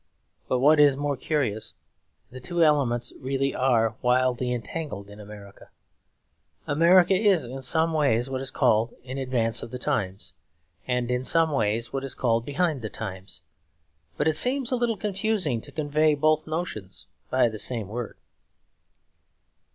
But what is more curious, the two elements really are wildly entangled in America. America is in some ways what is called in advance of the times, and in some ways what is called behind the times; but it seems a little confusing to convey both notions by the same word.